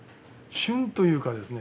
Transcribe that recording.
旬というかですね